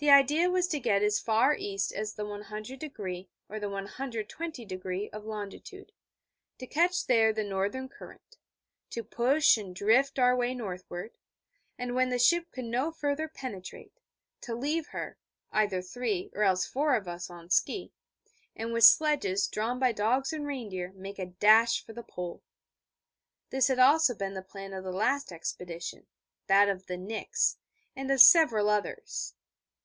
The idea was to get as far east as the 100°, or the 120°, of longitude; to catch there the northern current; to push and drift our way northward; and when the ship could no further penetrate, to leave her (either three, or else four, of us, on ski), and with sledges drawn by dogs and reindeer make a dash for the Pole. This had also been the plan of the last expedition that of the Nix and of several others.